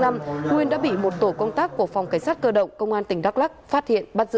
nguyên đã bị một tổ công tác của phòng cảnh sát cơ động công an tỉnh đắk lắc phát hiện bắt giữ